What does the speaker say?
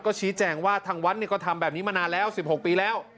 ชี้แจงว่าทางวัดก็ทำแบบนี้มานานแล้ว๑๖ปีแล้ว